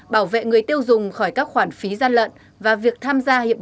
bảo vệ người tiêu dùng khỏi các khoản phí gian lận và việc tham gia hiệp định